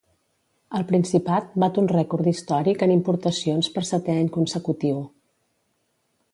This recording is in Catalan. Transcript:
El Principat bat un rècord històric en importacions per setè any consecutiu.